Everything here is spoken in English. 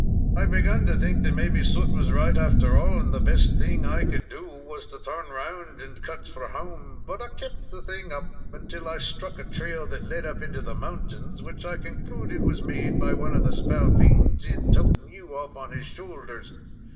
I begun to think that maybe Soot was right, after all, and the best thing I could do was to turn round and cut for home; but I kept the thing up till I struck a trail that led up into the mountains, which I concluded was made by one of the spalpeens in toting you off on his shoulders.